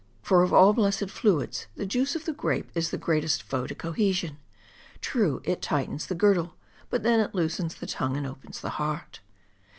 For of all blessed fluids, the juice of the grape is the greatest foe to cohesion. True, it tightens the girdle ; but then it loosens the tongue, and opens the heart.